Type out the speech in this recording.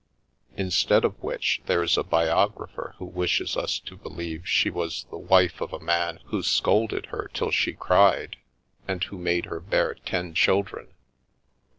" Instead of which, there's a biographer who wishes us to believe she was the wife of a man who scolded 30S The Milky Way her till she cried, and who made her bear ten children."